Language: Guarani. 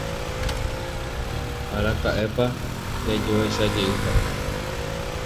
Araka'épa jajoechajeýta.